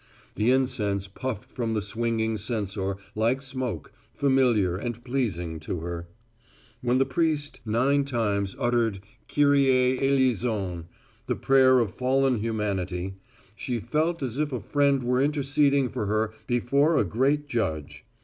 The incense puffed from the swinging censer, like smoke, familiar and pleasing to her. When the priest nine times uttered Kyrie eleison, the prayer of fallen humanity, she felt as if a friend were interceding for her before a great judge.